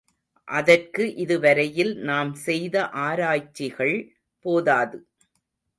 அதற்கு இது வரையில் நாம் செய்த ஆராய்ச்சிகள் போதாது.